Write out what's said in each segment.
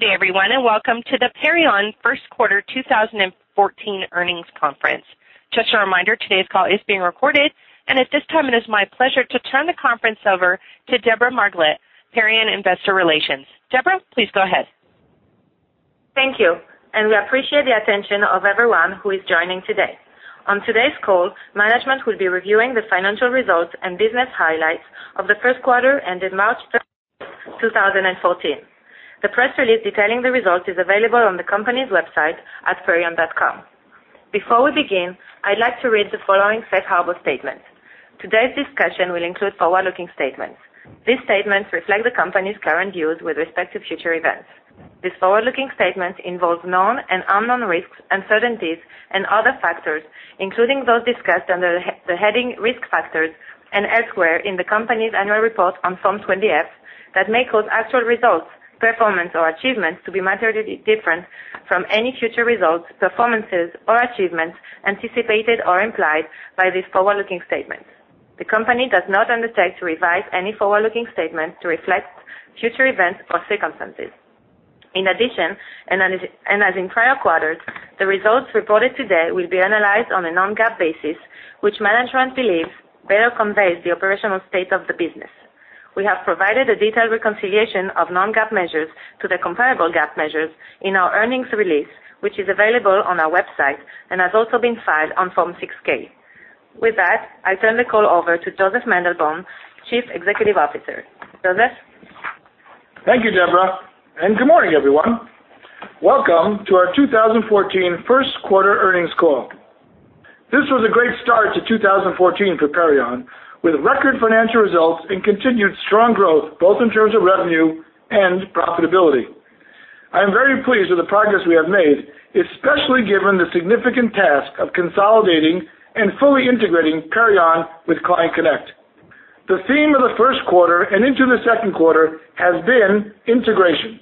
Good day everyone. Welcome to the Perion first quarter 2014 earnings conference. Just a reminder, today's call is being recorded, and at this time, it is my pleasure to turn the conference over to Deborah Margalit, Perion Investor Relations. Deborah, please go ahead. Thank you. We appreciate the attention of everyone who is joining today. On today's call, management will be reviewing the financial results and business highlights of the first quarter ended March 30, 2014. The press release detailing the results is available on the company's website at perion.com. Before we begin, I'd like to read the following safe harbor statement. Today's discussion will include forward-looking statements. These statements reflect the company's current views with respect to future events. These forward-looking statements involve known and unknown risks, uncertainties, and other factors, including those discussed under the heading Risk Factors and elsewhere in the company's annual report on Form 20-F that may cause actual results, performance, or achievements to be materially different from any future results, performances, or achievements anticipated or implied by these forward-looking statements. The company does not undertake to revise any forward-looking statements to reflect future events or circumstances. In addition, as in prior quarters, the results reported today will be analyzed on a non-GAAP basis, which management believes better conveys the operational state of the business. We have provided a detailed reconciliation of non-GAAP measures to the comparable GAAP measures in our earnings release, which is available on our website and has also been filed on Form 6-K. With that, I turn the call over to Josef Mandelbaum, Chief Executive Officer. Josef? Thank you, Deborah. Good morning, everyone. Welcome to our 2014 first quarter earnings call. This was a great start to 2014 for Perion, with record financial results and continued strong growth, both in terms of revenue and profitability. I'm very pleased with the progress we have made, especially given the significant task of consolidating and fully integrating Perion with ClientConnect. The theme of the first quarter and into the second quarter has been integration.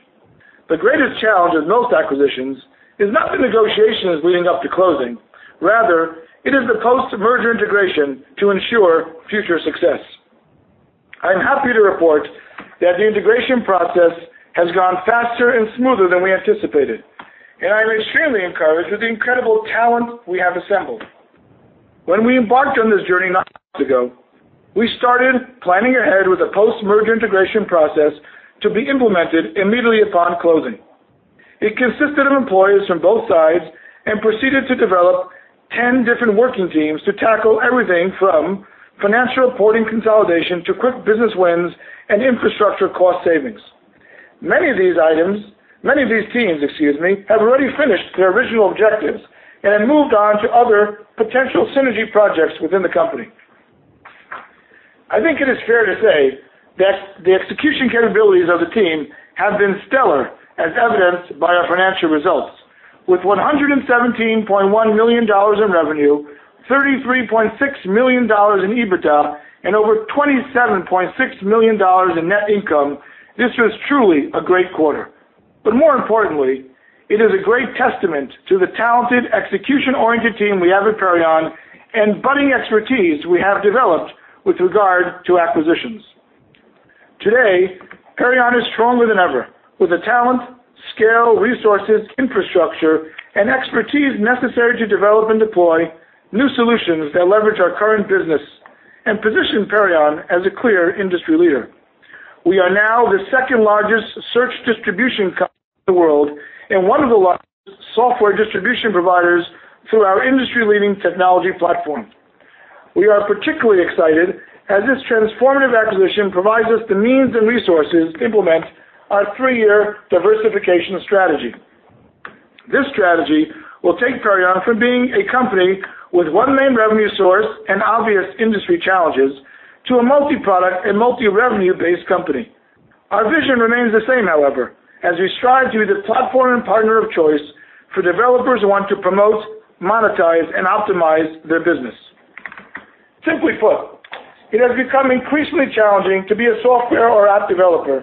The greatest challenge of most acquisitions is not the negotiations leading up to closing. Rather, it is the post-merger integration to ensure future success. I'm happy to report that the integration process has gone faster and smoother than we anticipated. I'm extremely encouraged with the incredible talent we have assembled. When we embarked on this journey nine months ago, we started planning ahead with a post-merger integration process to be implemented immediately upon closing. It consisted of employees from both sides and proceeded to develop 10 different working teams to tackle everything from financial reporting consolidation to quick business wins and infrastructure cost savings. Many of these teams, excuse me, have already finished their original objectives and have moved on to other potential synergy projects within the company. I think it is fair to say that the execution capabilities of the team have been stellar, as evidenced by our financial results. With $117.1 million in revenue, $33.6 million in EBITDA, and over $27.6 million in net income, this was truly a great quarter. More importantly, it is a great testament to the talented, execution-oriented team we have at Perion and budding expertise we have developed with regard to acquisitions. Today, Perion is stronger than ever with the talent, scale, resources, infrastructure, and expertise necessary to develop and deploy new solutions that leverage our current business and position Perion as a clear industry leader. We are now the second-largest search distribution company in the world and one of the largest software distribution providers through our industry-leading technology platform. We are particularly excited as this transformative acquisition provides us the means and resources to implement our three-year diversification strategy. This strategy will take Perion from being a company with one main revenue source and obvious industry challenges to a multi-product and multi revenue-based company. Our vision remains the same, however, as we strive to be the platform and partner of choice for developers who want to promote, monetize, and optimize their business. Simply put, it has become increasingly challenging to be a software or app developer,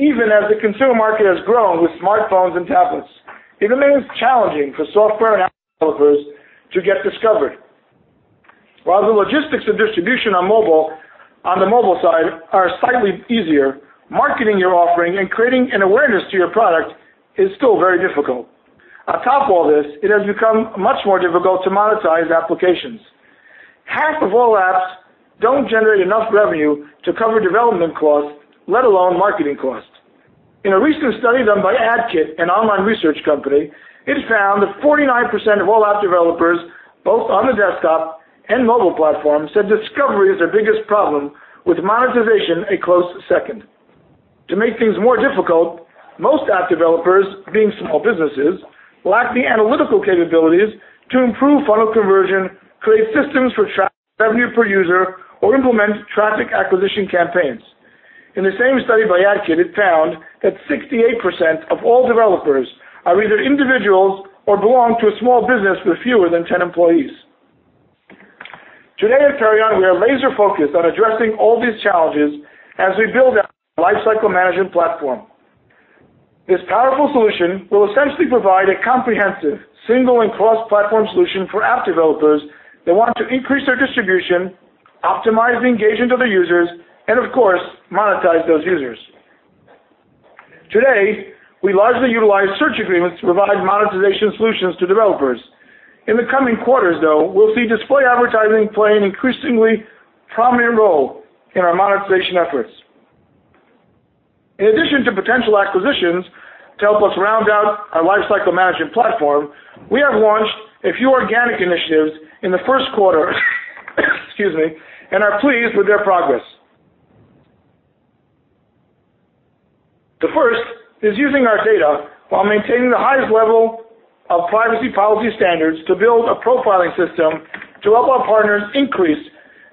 even as the consumer market has grown with smartphones and tablets. It remains challenging for software and app developers to get discovered. While the logistics of distribution on the mobile side are slightly easier, marketing your offering and creating an awareness to your product is still very difficult. On top of all this, it has become much more difficult to monetize applications. Half of all apps don't generate enough revenue to cover development costs, let alone marketing costs. In a recent study done by AdKite, an online research company, it found that 49% of all app developers, both on the desktop and mobile platform, said discovery is their biggest problem, with monetization a close second. To make things more difficult, most app developers, being small businesses, lack the analytical capabilities to improve funnel conversion, create systems for tracking revenue per user, or implement traffic acquisition campaigns. In the same study by AdKit, it found that 68% of all developers are either individuals or belong to a small business with fewer than 10 employees. Today at Perion, we are laser-focused on addressing all these challenges as we build our lifecycle management platform. This powerful solution will essentially provide a comprehensive, single, and cross-platform solution for app developers that want to increase their distribution Optimize the engagement of the users and of course, monetize those users. Today, we largely utilize search agreements to provide monetization solutions to developers. In the coming quarters, though, we'll see display advertising playing an increasingly prominent role in our monetization efforts. In addition to potential acquisitions to help us round out our lifecycle management platform, we have launched a few organic initiatives in the first quarter, and are pleased with their progress. The first is using our data while maintaining the highest level of privacy policy standards to build a profiling system to help our partners increase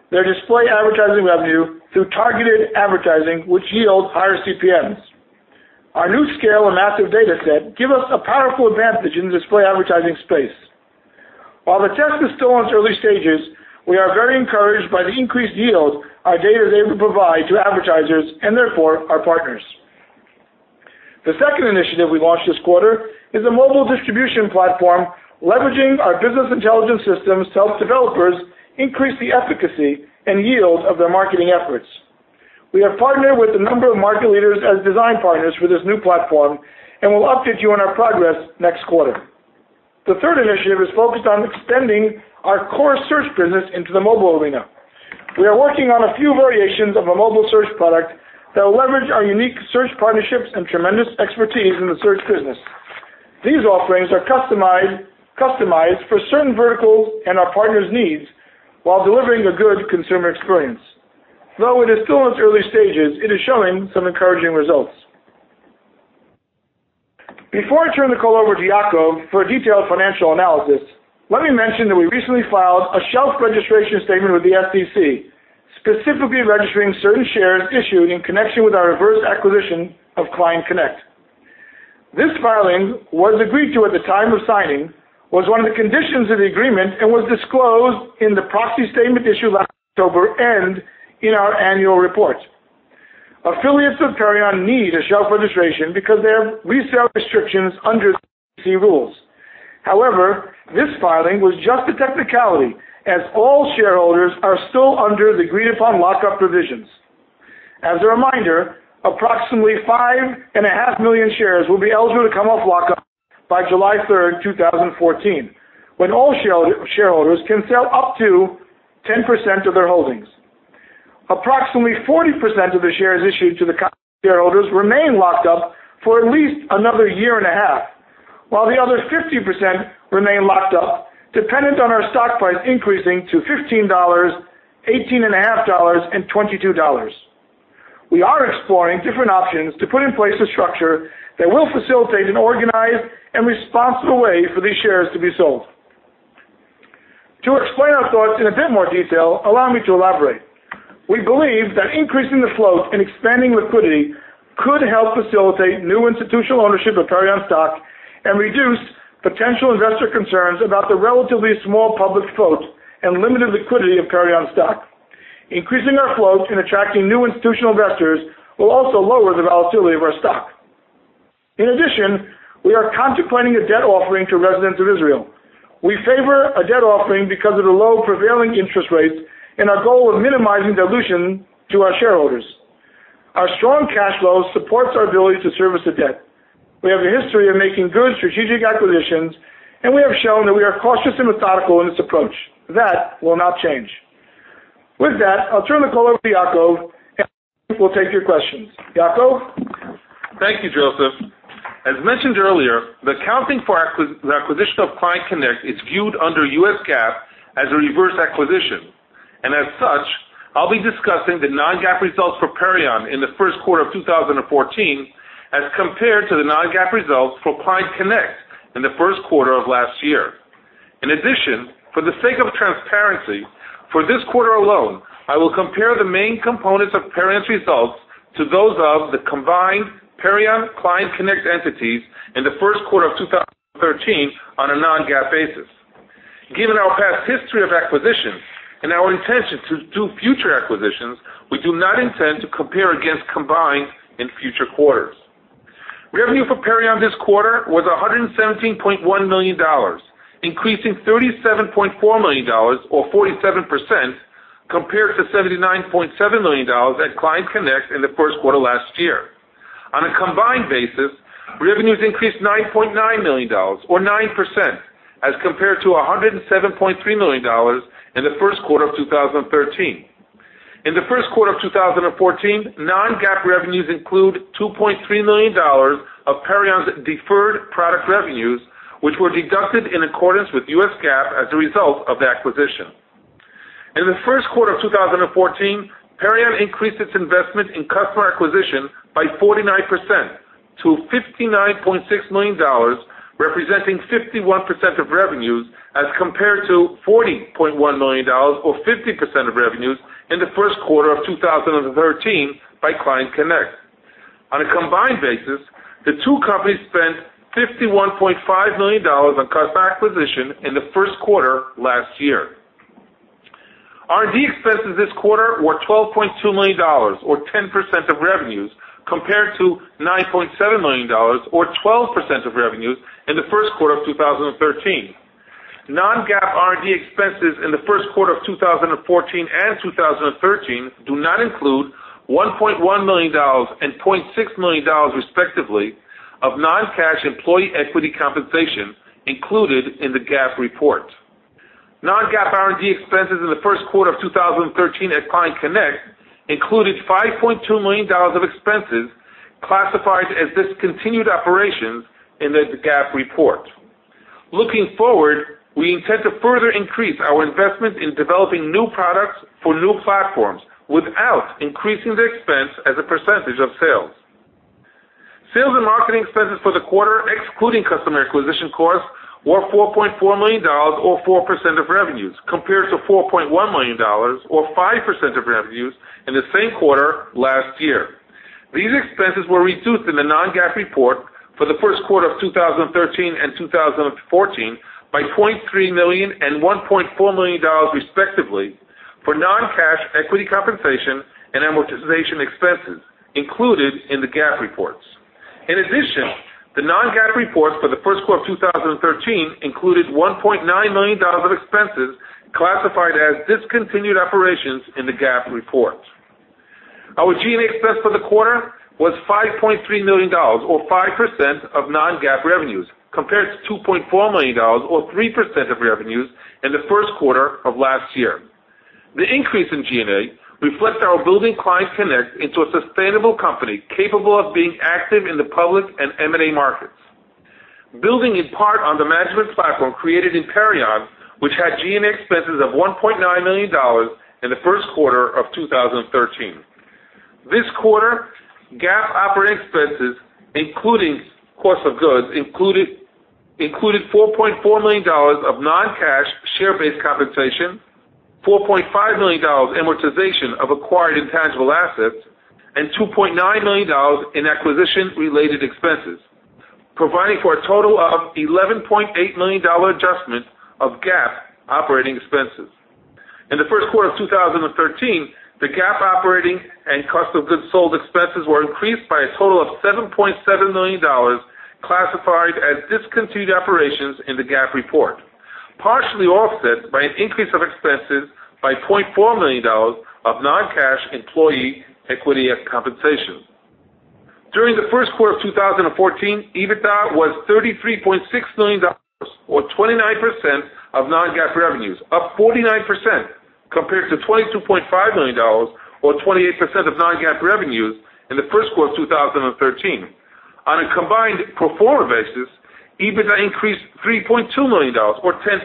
their display advertising revenue through targeted advertising, which yield higher CPMs. Our new scale and massive data set give us a powerful advantage in the display advertising space. While the test is still in its early stages, we are very encouraged by the increased yield our data is able to provide to advertisers and therefore our partners. The second initiative we launched this quarter is a mobile distribution platform leveraging our business intelligence systems to help developers increase the efficacy and yield of their marketing efforts. We have partnered with a number of market leaders as design partners for this new platform, and we'll update you on our progress next quarter. The third initiative is focused on extending our core search business into the mobile arena. We are working on a few variations of a mobile search product that will leverage our unique search partnerships and tremendous expertise in the search business. These offerings are customized for certain verticals and our partners' needs while delivering a good consumer experience. Though it is still in its early stages, it is showing some encouraging results. Before I turn the call over to Yacov for a detailed financial analysis, let me mention that we recently filed a shelf registration statement with the SEC, specifically registering certain shares issued in connection with our reverse acquisition of ClientConnect. This filing was agreed to at the time of signing, was one of the conditions of the agreement, and was disclosed in the proxy statement issued last October and in our annual report. Affiliates of Perion need a shelf registration because they have resale restrictions under SEC rules. However, this filing was just a technicality, as all shareholders are still under the agreed-upon lock-up provisions. As a reminder, approximately five and a half million shares will be eligible to come off lock-up by July 3, 2014, when all shareholders can sell up to 10% of their holdings. Approximately 40% of the shares issued to the shareholders remain locked up for at least another year and a half, while the other 50% remain locked up, dependent on our stock price increasing to $15, $18.50, and $22. We are exploring different options to put in place a structure that will facilitate an organized and responsible way for these shares to be sold. To explain our thoughts in a bit more detail, allow me to elaborate. We believe that increasing the float and expanding liquidity could help facilitate new institutional ownership of Perion stock and reduce potential investor concerns about the relatively small public float and limited liquidity of Perion stock. Increasing our float and attracting new institutional investors will also lower the volatility of our stock. In addition, we are contemplating a debt offering to residents of Israel. We favor a debt offering because of the low prevailing interest rates and our goal of minimizing dilution to our shareholders. Our strong cash flow supports our ability to service the debt. We have a history of making good strategic acquisitions, we have shown that we are cautious and methodical in this approach. That will not change. With that, I'll turn the call over to Yacov, we'll take your questions. Yacov? Thank you, Josef. As mentioned earlier, the accounting for the acquisition of ClientConnect is viewed under U.S. GAAP as a reverse acquisition. As such, I'll be discussing the non-GAAP results for Perion in the first quarter of 2014 as compared to the non-GAAP results for ClientConnect in the first quarter of last year. In addition, for the sake of transparency, for this quarter alone, I will compare the main components of Perion's results to those of the combined Perion-ClientConnect entities in the first quarter of 2013 on a non-GAAP basis. Given our past history of acquisitions and our intention to do future acquisitions, we do not intend to compare against combined in future quarters. Revenue for Perion this quarter was $117.1 million, increasing $37.4 million or 47% compared to $79.7 million at ClientConnect in the first quarter last year. On a combined basis, revenues increased $9.9 million or 9% as compared to $107.3 million in the first quarter of 2013. In the first quarter of 2014, non-GAAP revenues include $2.3 million of Perion's deferred product revenues, which were deducted in accordance with U.S. GAAP as a result of the acquisition. In the first quarter of 2014, Perion increased its investment in customer acquisition by 49% to $59.6 million, representing 51% of revenues, as compared to $40.1 million or 50% of revenues in the first quarter of 2013 by ClientConnect. On a combined basis, the two companies spent $51.5 million on customer acquisition in the first quarter last year. R&D expenses this quarter were $12.2 million or 10% of revenues compared to $9.7 million, or 12% of revenues, in the first quarter of 2013. Non-GAAP R&D expenses in the first quarter of 2014 and 2013 do not include $1.1 million and $0.6 million, respectively, of non-cash employee equity compensation included in the GAAP report. Non-GAAP R&D expenses in the first quarter of 2013 at ClientConnect included $5.2 million of expenses classified as discontinued operations in the GAAP report. Looking forward, we intend to further increase our investment in developing new products for new platforms without increasing the expense as a percentage of sales. Sales and marketing expenses for the quarter, excluding customer acquisition costs, were $4.4 million, or 4% of revenues, compared to $4.1 million or 5% of revenues in the same quarter last year. These expenses were reduced in the non-GAAP report for the first quarter of 2013 and 2014 by $0.3 million and $1.4 million, respectively, for non-cash equity compensation and amortization expenses included in the GAAP reports. In addition, the non-GAAP reports for the first quarter of 2013 included $1.9 million of expenses classified as discontinued operations in the GAAP report. Our G&A expense for the quarter was $5.3 million, or 5% of non-GAAP revenues, compared to $2.4 million or 3% of revenues in the first quarter of last year. The increase in G&A reflects our building ClientConnect into a sustainable company capable of being active in the public and M&A markets. Building in part on the management platform created in Perion, which had G&A expenses of $1.9 million in the first quarter of 2013. This quarter, GAAP operating expenses, including cost of goods, included $4.4 million of non-cash share-based compensation, $4.5 million amortization of acquired intangible assets, and $2.9 million in acquisition-related expenses, providing for a total of $11.8 million adjustment of GAAP operating expenses. In the first quarter of 2013, the GAAP operating and cost of goods sold expenses were increased by a total of $7.7 million classified as discontinued operations in the GAAP report, partially offset by an increase of expenses by $0.4 million of non-cash employee equity compensation. During the first quarter of 2014, EBITDA was $33.6 million, or 29% of non-GAAP revenues, up 49% compared to $22.5 million or 28% of non-GAAP revenues in the first quarter of 2013. On a combined pro forma basis, EBITDA increased $3.2 million or 10%.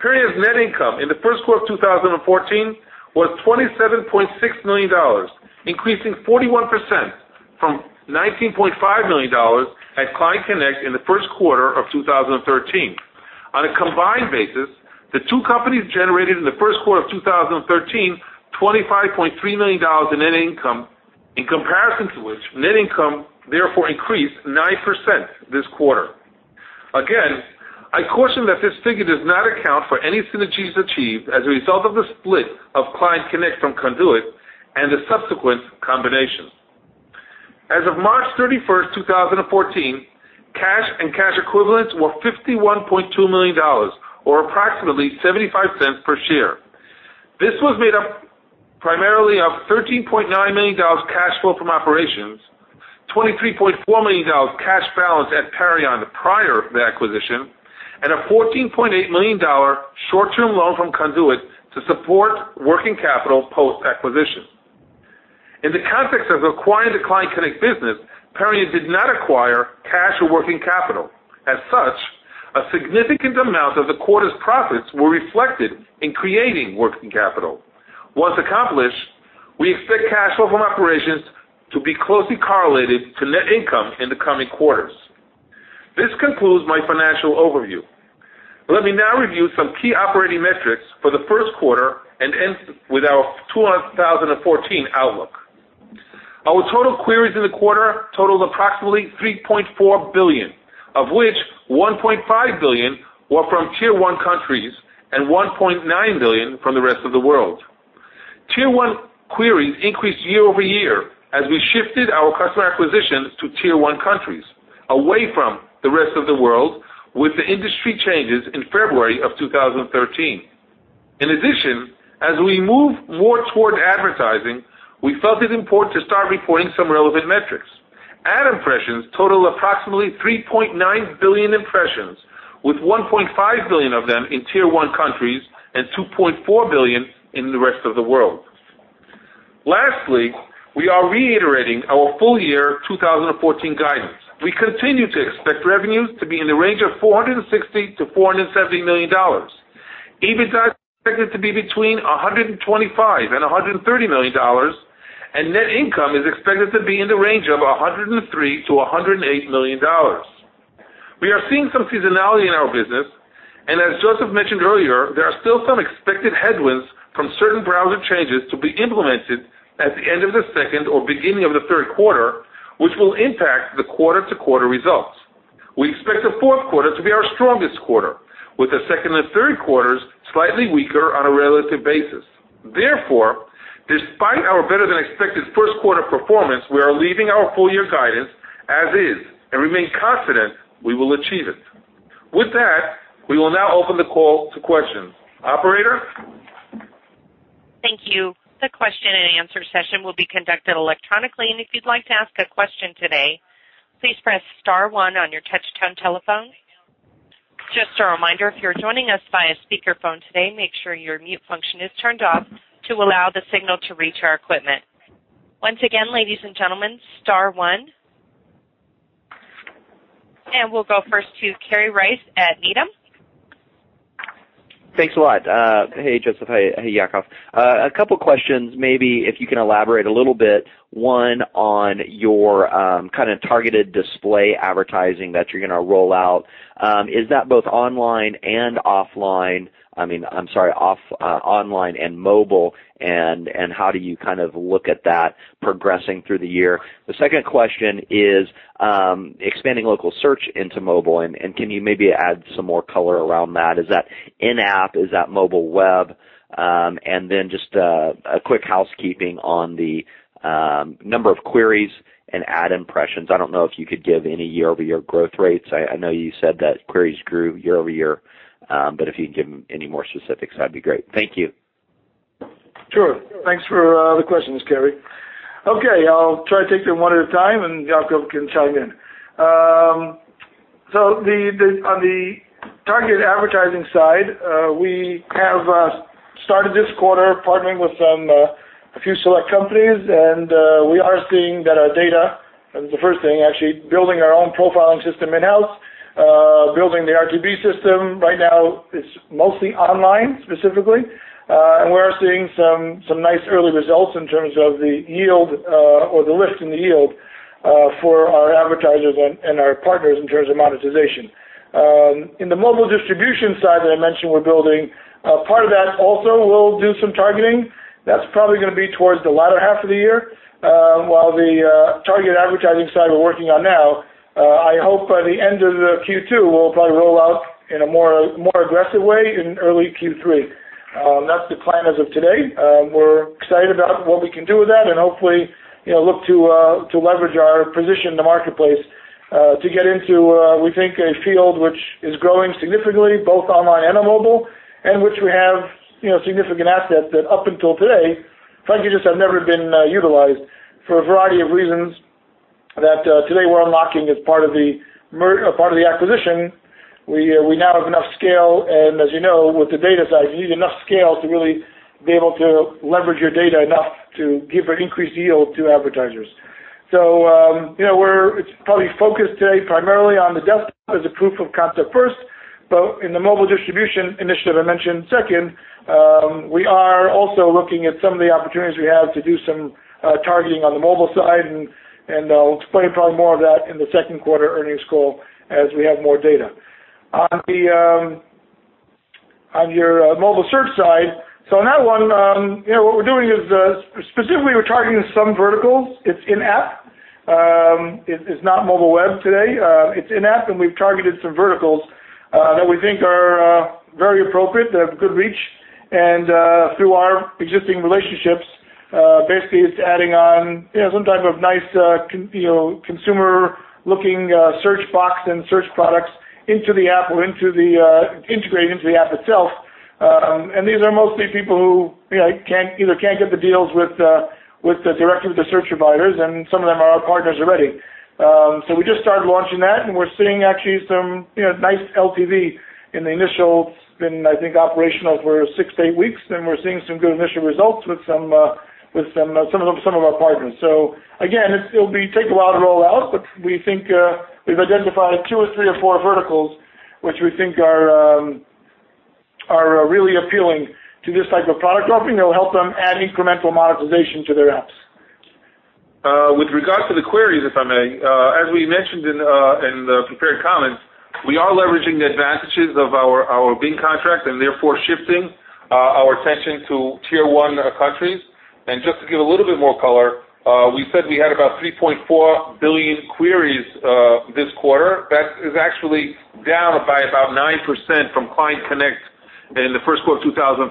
Perion's net income in the first quarter of 2014 was $27.6 million, increasing 41% from $19.5 million at ClientConnect in the first quarter of 2013. On a combined basis, the two companies generated in the first quarter of 2013 $25.3 million in net income, in comparison to which net income therefore increased 9% this quarter. Again, I caution that this figure does not account for any synergies achieved as a result of the split of ClientConnect from Conduit and the subsequent combination. As of March 31st, 2014, cash and cash equivalents were $51.2 million, or approximately $0.75 per share. This was made up primarily of $13.9 million cash flow from operations, $23.4 million cash balance at Perion prior to the acquisition, and a $14.8 million short-term loan from Conduit to support working capital post-acquisition. In the context of acquiring the ClientConnect business, Perion did not acquire cash or working capital. As such, a significant amount of the quarter's profits were reflected in creating working capital. Once accomplished, we expect cash flow from operations to be closely correlated to net income in the coming quarters. This concludes my financial overview. Let me now review some key operating metrics for the first quarter and end with our 2014 outlook. Our total queries in the quarter totaled approximately 3.4 billion, of which 1.5 billion were from Tier 1 countries and 1.9 billion from the rest of the world. Tier 1 queries increased year-over-year as we shifted our customer acquisitions to Tier 1 countries, away from the rest of the world with the industry changes in February of 2013. In addition, as we move more toward advertising, we felt it important to start reporting some relevant metrics. Ad impressions totaled approximately 3.9 billion impressions, with 1.5 billion of them in Tier 1 countries and 2.4 billion in the rest of the world. Lastly, we are reiterating our full year 2014 guidance. We continue to expect revenues to be in the range of $460 million-$470 million. EBITDA is expected to be between $125 million and $130 million, and net income is expected to be in the range of $103 million to $108 million. We are seeing some seasonality in our business, and as Josef mentioned earlier, there are still some expected headwinds from certain browser changes to be implemented at the end of the second or beginning of the third quarter, which will impact the quarter-to-quarter results. We expect the fourth quarter to be our strongest quarter, with the second and third quarters slightly weaker on a relative basis. Therefore, despite our better-than-expected first quarter performance, we are leaving our full year guidance as is and remain confident we will achieve it. With that, we will now open the call to questions. Operator? Thank you. The question and answer session will be conducted electronically. If you'd like to ask a question today, please press star one on your touchtone telephone. Just a reminder, if you're joining us via speakerphone today, make sure your mute function is turned off to allow the signal to reach our equipment. Once again, ladies and gentlemen, star one. We'll go first to Kerry Rice at Needham. Thanks a lot. Hey, Josef. Hey, Yacov. A couple questions, maybe if you can elaborate a little bit, one on your targeted display advertising that you're going to roll out. Is that both online and mobile, and how do you look at that progressing through the year? The second question is expanding local search into mobile, and can you maybe add some more color around that? Is that in-app? Is that mobile web? Just a quick housekeeping on the number of queries and ad impressions. I don't know if you could give any year-over-year growth rates. I know you said that queries grew year-over-year, but if you could give any more specifics, that'd be great. Thank you. Sure. Thanks for the questions, Kerry. Okay. I'll try to take them one at a time, and Yacov can chime in. On the targeted advertising side, we have started this quarter partnering with a few select companies, and we are seeing that our data, the first thing, actually, building our own profiling system in-house, building the RGB system. Right now it's mostly online, specifically. We are seeing some nice early results in terms of the yield or the lift in the yield for our advertisers and our partners in terms of monetization. In the mobile distribution side that I mentioned we're building, part of that also will do some targeting. That's probably going to be towards the latter half of the year. While the targeted advertising side we're working on now, I hope by the end of the Q2, we'll probably roll out in a more aggressive way in early Q3. That's the plan as of today. We're excited about what we can do with that and hopefully look to leverage our position in the marketplace, to get into, we think, a field which is growing significantly, both online and on mobile, and which we have significant assets that up until today, frankly, just have never been utilized for a variety of reasons that today we're unlocking as part of the acquisition. We now have enough scale, and as you know, with the data side, you need enough scale to really be able to leverage your data enough to give an increased yield to advertisers. It's probably focused today primarily on the desktop as a proof of concept first, but in the mobile distribution initiative I mentioned second, we are also looking at some of the opportunities we have to do some targeting on the mobile side, and I'll explain probably more of that in the second quarter earnings call as we have more data. On your mobile search side, on that one, what we're doing is specifically we're targeting some verticals. It's in-app. It's not mobile web today. It's in-app, and we've targeted some verticals that we think are very appropriate, that have good reach. Through our existing relationships, basically it's adding on some type of nice consumer-looking search box and search products into the app or integrated into the app itself. These are mostly people who either can't get the deals directly with the search providers, and some of them are our partners already. We just started launching that, and we're seeing actually some nice LTV in the initial, it's been, I think, operational for six to eight weeks, and we're seeing some good initial results with some of our partners. Again, it'll take a while to roll out, but we think we've identified two or three or four verticals which we think are really appealing to this type of product offering that will help them add incremental monetization to their apps. With regard to the queries, if I may, as we mentioned in the prepared comments, we are leveraging the advantages of our Bing contract and therefore shifting our attention to Tier 1 countries. Just to give a little bit more color, we said we had about 3.4 billion queries this quarter. That is actually down by about 9% from ClientConnect in the first quarter of 2013,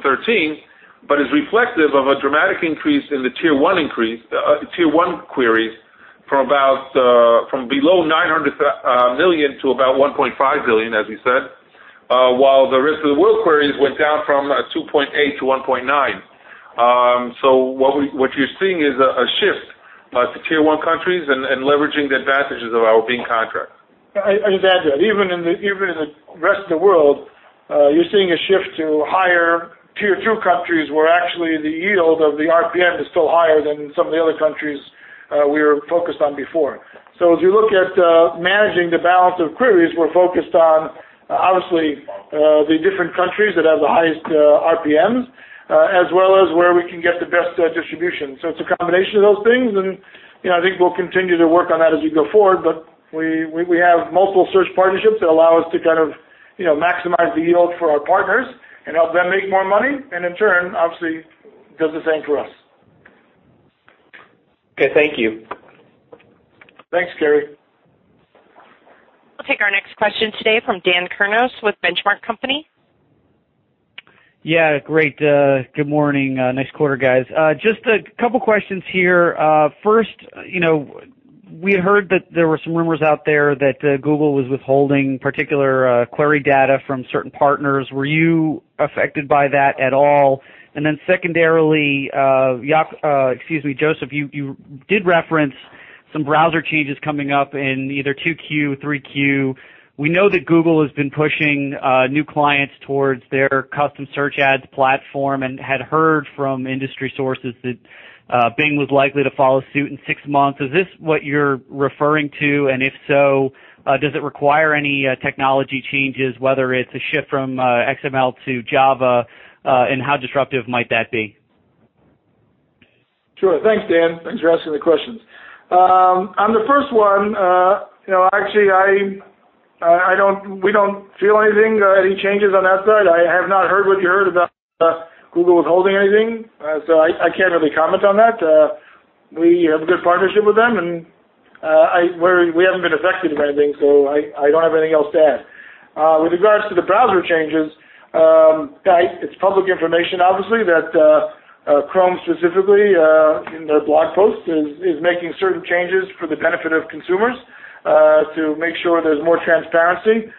but is reflective of a dramatic increase in the Tier 1 queries from below 900 million to about 1.5 billion, as we said, while the rest of the world queries went down from 2.8 to 1.9. What you're seeing is a shift to Tier 1 countries and leveraging the advantages of our Bing contract. I'd add to that. Even in the rest of the world, you're seeing a shift to higher Tier 2 countries, where actually the yield of the RPM is still higher than some of the other countries we were focused on before. As you look at managing the balance of queries, we're focused on, obviously, the different countries that have the highest RPMs, as well as where we can get the best distribution. It's a combination of those things, and I think we'll continue to work on that as we go forward, but we have multiple search partnerships that allow us to maximize the yield for our partners and help them make more money, and in turn, obviously, do the same for us. Okay, thank you. Thanks, Kerry. We'll take our next question today from Dan Kurnos with Benchmark Company. Yeah. Great. Good morning. Nice quarter, guys. Just a couple questions here. First, we had heard that there were some rumors out there that Google was withholding particular query data from certain partners. Were you affected by that at all? Secondarily, Josef, you did reference some browser changes coming up in either 2 Q, 3 Q. We know that Google has been pushing new clients towards their custom search ads platform and had heard from industry sources that Bing was likely to follow suit in six months. Is this what you're referring to, if so, does it require any technology changes, whether it's a shift from XML to Java? How disruptive might that be? Sure. Thanks, Dan. Thanks for asking the questions. On the first one, actually, we don't feel anything, any changes on that side. I have not heard what you heard, about Google withholding anything. I can't really comment on that. We have a good partnership with them, we haven't been affected by anything, I don't have anything else to add. With regards to the browser changes, it's public information, obviously, that Chrome specifically, in their blog post, is making certain changes for the benefit of consumers, to make sure there's more transparency.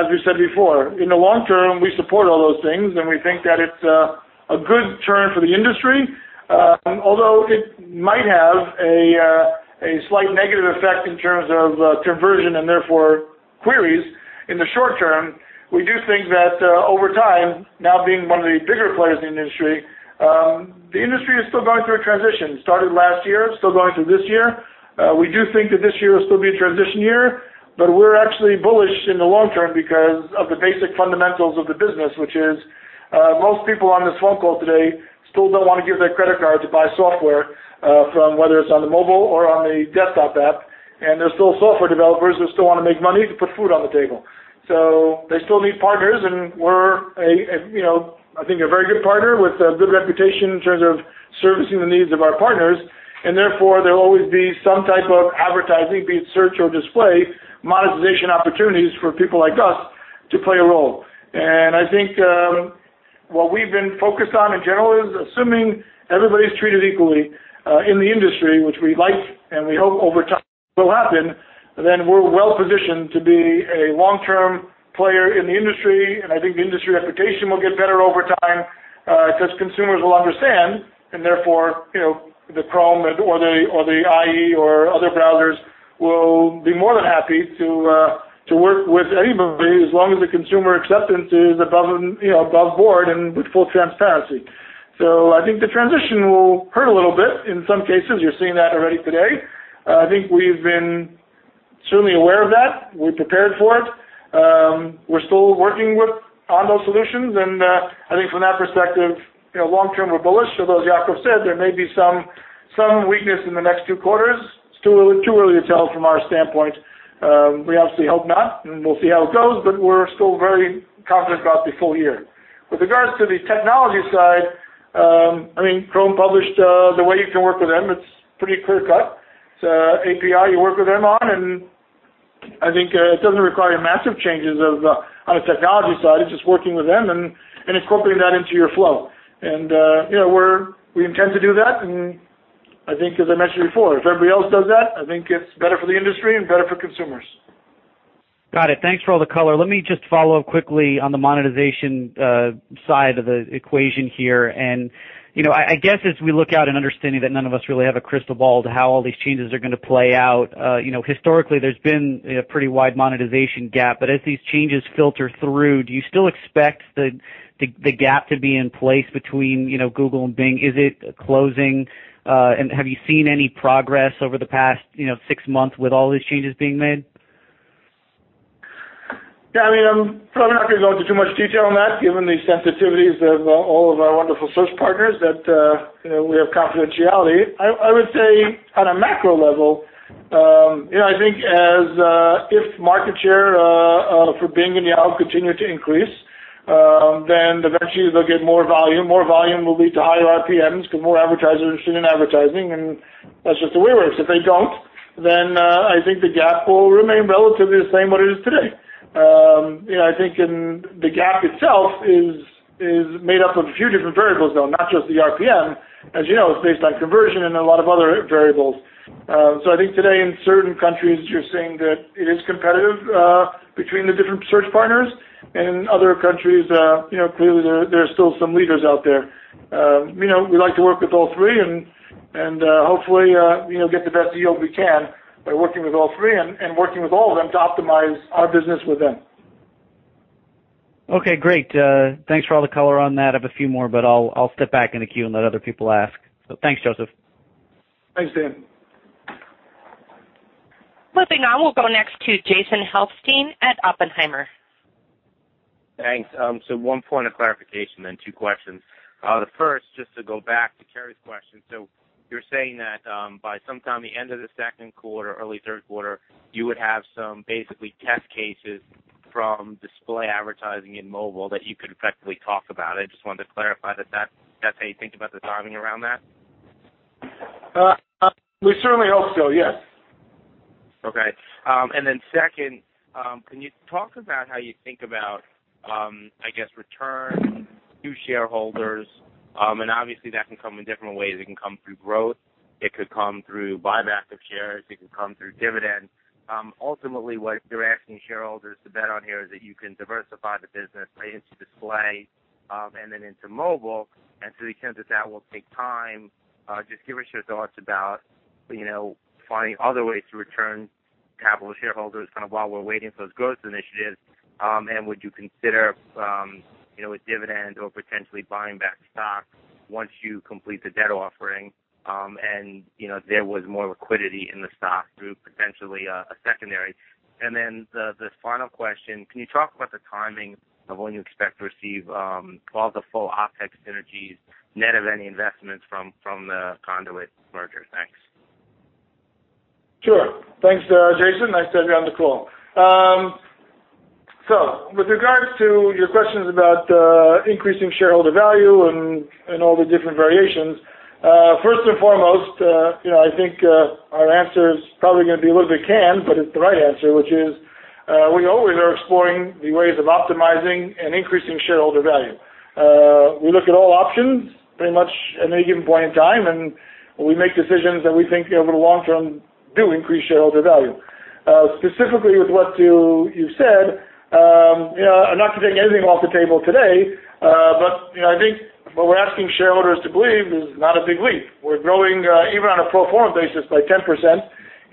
As we said before, in the long term, we support all those things, we think that it's a good turn for the industry. Although it might have a slight negative effect in terms of conversion and therefore queries in the short term, we do think that over time, now being one of the bigger players in the industry, the industry is still going through a transition. It started last year, still going through this year. We do think that this year will still be a transition year, we're actually bullish in the long term because of the basic fundamentals of the business, which is, most people on this phone call today still don't want to give their credit card to buy software, from whether it's on the mobile or on the desktop app, there are still software developers who still want to make money to put food on the table. They still need partners, we're, I think, a very good partner with a good reputation in terms of servicing the needs of our partners, therefore, there'll always be some type of advertising, be it search or display, monetization opportunities for people like us to play a role. I think, what we've been focused on in general is assuming everybody's treated equally, in the industry, which we like we hope over time will happen, then we're well-positioned to be a long-term player in the industry. I think the industry reputation will get better over time, because consumers will understand, therefore the Chrome or the Internet Explorer or other browsers will be more than happy to work with anybody as long as the consumer acceptance is above board and with full transparency. I think the transition will hurt a little bit in some cases. You're seeing that already today. I think we've been certainly aware of that. We're prepared for it. We're still working on those solutions, and I think from that perspective, long term, we're bullish. Although Yacov said there may be some weakness in the next two quarters. It's too early to tell from our standpoint. We obviously hope not, and we'll see how it goes, but we're still very confident about the full year. With regards to the technology side, Chrome published the way you can work with them. It's pretty clear-cut. It's API you work with them on, and I think it doesn't require massive changes on the technology side. It's just working with them and incorporating that into your flow. We intend to do that, I think as I mentioned before, if everybody else does that, I think it's better for the industry and better for consumers. Got it. Thanks for all the color. Let me just follow up quickly on the monetization side of the equation here. I guess as we look out and understanding that none of us really have a crystal ball to how all these changes are going to play out, historically, there's been a pretty wide monetization gap. As these changes filter through, do you still expect the gap to be in place between Google and Bing? Is it closing? Have you seen any progress over the past six months with all these changes being made? Yeah. I'm probably not going to go into too much detail on that, given the sensitivities of all of our wonderful search partners that we have confidentiality. I would say on a macro level, I think if market share for Bing and Yahoo continue to increase, then eventually they'll get more volume. More volume will lead to higher RPMs because more advertisers are interested in advertising, and that's just the way it works. If they don't, then I think the gap will remain relatively the same way it is today. I think the gap itself is made up of a few different variables, though, not just the RPM. As you know, it's based on conversion and a lot of other variables. I think today in certain countries, you're seeing that it is competitive between the different search partners and other countries, clearly there are still some leaders out there. We like to work with all three and hopefully get the best deal we can by working with all three and working with all of them to optimize our business with them. Okay, great. Thanks for all the color on that. I have a few more. I'll step back in the queue and let other people ask. Thanks, Josef. Thanks, Dan. Flipping on, we'll go next to Jason Helfstein at Oppenheimer. Thanks. One point of clarification, then two questions. The first, just to go back to Kerry's question. You're saying that, by sometime the end of the second quarter, early third quarter, you would have some basically test cases from display advertising in mobile that you could effectively talk about. I just wanted to clarify that that's how you think about the timing around that? We certainly hope so, yes. Okay. Second, can you talk about how you think about return to shareholders? Obviously that can come in different ways. It can come through growth. It could come through buyback of shares. It could come through dividends. Ultimately, what you're asking shareholders to bet on here is that you can diversify the business into display, then into mobile. To the extent that will take time, just curious your thoughts about finding other ways to return capital to shareholders while we're waiting for those growth initiatives. Would you consider a dividend or potentially buying back stock once you complete the debt offering, there was more liquidity in the stock through potentially a secondary? The final question, can you talk about the timing of when you expect to receive all the full OpEx synergies, net of any investments from the Conduit merger? Thanks. Sure. Thanks, Jason. Nice to have you on the call. With regards to your questions about increasing shareholder value and all the different variations. First and foremost, I think, our answer is probably going to be a little bit canned, but it's the right answer, which is, we always are exploring the ways of optimizing and increasing shareholder value. We look at all options pretty much at any given point in time, and we make decisions that we think over the long term do increase shareholder value. Specifically with what you've said, I'm not taking anything off the table today. I think what we're asking shareholders to believe is not a big leap. We're growing, even on a pro forma basis, by 10%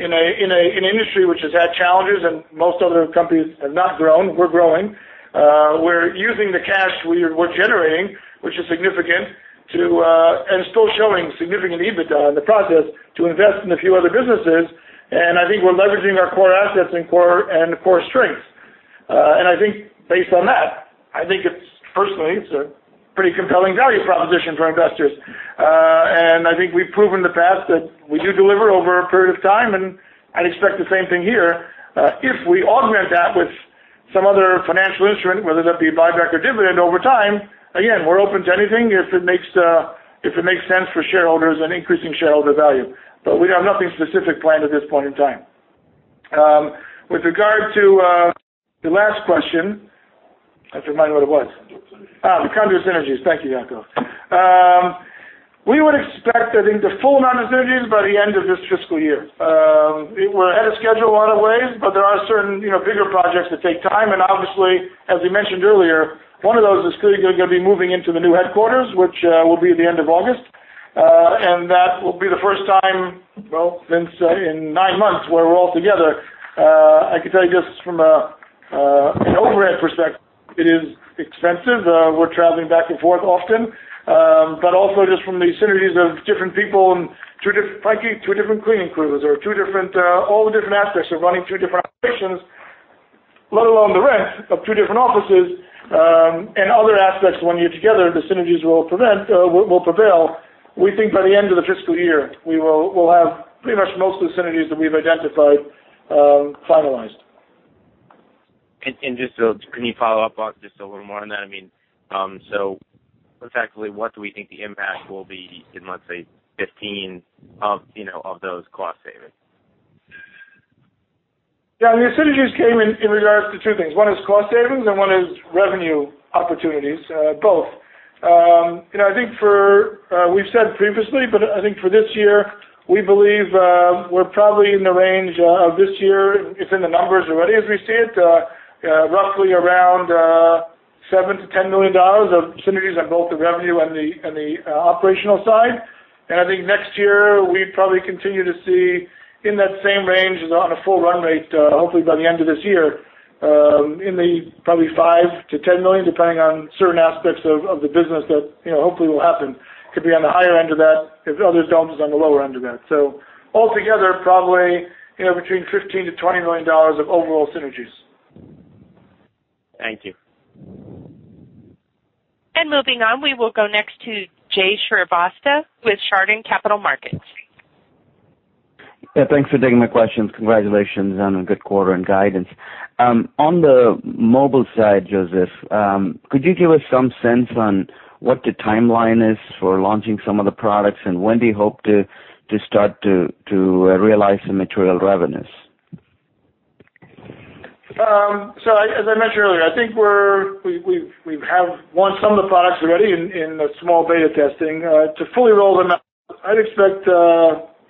in an industry which has had challenges and most other companies have not grown. We're growing. We're using the cash we're generating, which is significant, and still showing significant EBITDA in the process to invest in a few other businesses. I think we're leveraging our core assets and core strengths. I think based on that, I think personally, it's a pretty compelling value proposition for investors. I think we've proven in the past that we do deliver over a period of time, and I expect the same thing here. If we augment that with some other financial instrument, whether that be a buyback or dividend over time, again, we're open to anything if it makes sense for shareholders and increasing shareholder value. We have nothing specific planned at this point in time. With regard to the last question, I have to remind me what it was. Conduit synergies. The Conduit synergies. Thank you, Yacov. We would expect, I think the full amount of synergies by the end of this fiscal year. We're ahead of schedule in a lot of ways, but there are certain bigger projects that take time. Obviously, as we mentioned earlier, one of those is clearly going to be moving into the new headquarters, which will be at the end of August. That will be the first time, well, since in nine months where we're all together. I can tell you just from an overhead perspective, it is expensive. We're traveling back and forth often. Also just from the synergies of different people and two different cleaning crews or all the different aspects of running two different operations, let alone the rent of two different offices, and other aspects when you're together, the synergies will prevail. We think by the end of the fiscal year, we'll have pretty much most of the synergies that we've identified, finalized. Just can you follow up on just a little more on that? I mean, effectively, what do we think the impact will be in, let's say, 15 of those cost savings? The synergies came in regards to 2 things. 1 is cost savings, and 1 is revenue opportunities, both. We've said previously, but I think for this year, we believe, we're probably in the range of this year. It's in the numbers already as we see it, roughly around $7 million-$10 million of synergies on both the revenue and the operational side. I think next year, we probably continue to see in that same range as on a full run rate, hopefully by the end of this year, in the probably $5 million-$10 million, depending on certain aspects of the business that hopefully will happen. Could be on the higher end of that. If others don't, it's on the lower end of that. So altogether, probably between $15 million-$20 million of overall synergies. Thank you. Moving on, we will go next to Jay Srivatsa with Chardan Capital Markets. Thanks for taking my questions. Congratulations on a good quarter and guidance. On the mobile side, Josef, could you give us some sense on what the timeline is for launching some of the products and when do you hope to start to realize the material revenues? As I mentioned earlier, I think we have won some of the products already in a small beta testing. To fully roll them out, I'd expect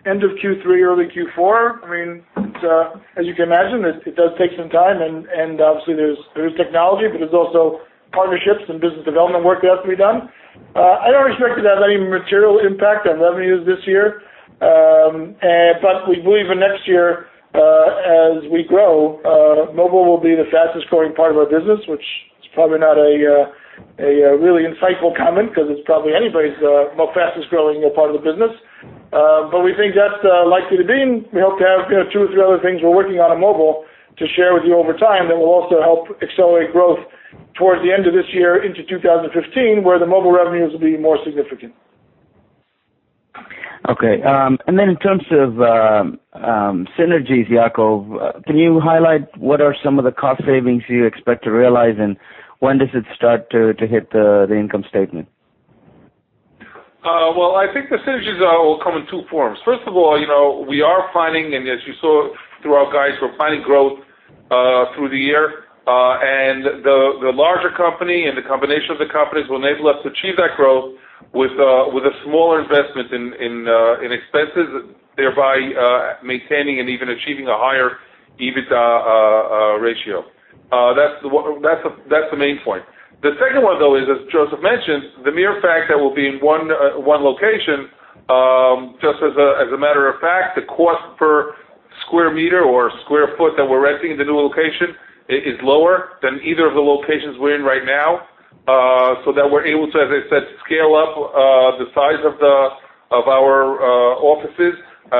end of Q3, early Q4. I mean, as you can imagine, it does take some time and obviously there's technology, but there's also partnerships and business development work that has to be done. I don't expect it to have any material impact on revenues this year. We believe in next year, as we grow, mobile will be the fastest-growing part of our business, which is probably not a really insightful comment because it's probably anybody's fastest-growing part of the business. We think that's likely to be, and we hope to have two or three other things we're working on in mobile to share with you over time that will also help accelerate growth towards the end of this year into 2015, where the mobile revenues will be more significant. Okay. In terms of synergies, Yacov, can you highlight what are some of the cost savings you expect to realize, and when does it start to hit the income statement? Well, I think the synergies will come in two forms. First of all, we are planning, and as you saw through our guides, we're planning growth through the year. The larger company and the combination of the companies will enable us to achieve that growth with a smaller investment in expenses, thereby maintaining and even achieving a higher EBITDA ratio. That's the main point. The second one, though, is, as Josef mentioned, the mere fact that we'll be in one location, just as a matter of fact, the cost per square meter or square foot that we're renting in the new location is lower than either of the locations we're in right now. That we're able to, as I said, scale up the size of our offices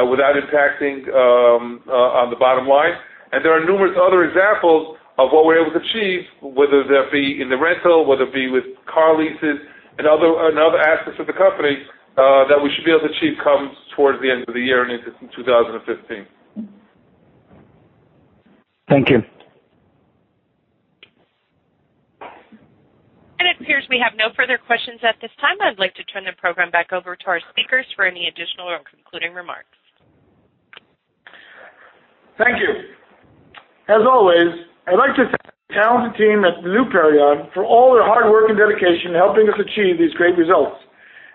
without impacting on the bottom line. There are numerous other examples of what we're able to achieve, whether that be in the rental, whether it be with car leases and other assets of the company, that we should be able to achieve come towards the end of the year and into 2015. Thank you. It appears we have no further questions at this time. I'd like to turn the program back over to our speakers for any additional or concluding remarks. Thank you. As always, I'd like to thank the talented team at the new Perion for all their hard work and dedication in helping us achieve these great results.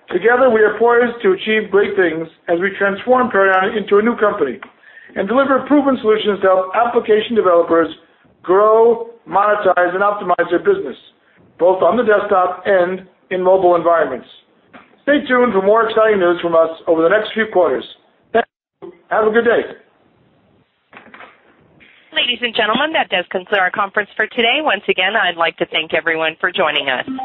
Together, we are poised to achieve great things as we transform Perion into a new company and deliver proven solutions to help application developers grow, monetize, and optimize their business, both on the desktop and in mobile environments. Stay tuned for more exciting news from us over the next few quarters. Thank you. Have a good day. Ladies and gentlemen, that does conclude our conference for today. Once again, I'd like to thank everyone for joining us.